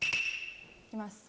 行きます。